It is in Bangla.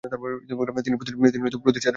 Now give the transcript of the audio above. তিনি প্রতিষ্ঠাতা সম্পাদক ছিলেন।